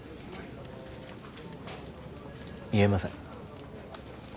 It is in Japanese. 言えません。